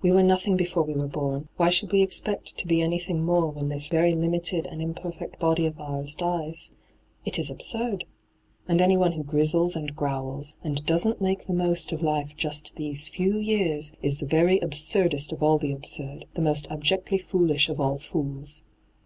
We were nothing before we were bom : why should we expect to be anything more when this very limited and imperfect body of ours dies ? It is absurd I And anyone who grizzles and growls, and doesn't make the most of life just these few years, is the very absurdest of all the absurd — the most abjectly foolish of all fools.